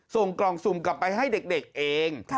ส่งกล่องสุ่มกลับไปให้เด็กเอง